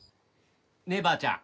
ねえばあちゃん。